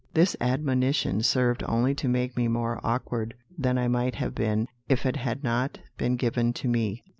This admonition served only to make me more awkward than I might have been if it had not been given to me.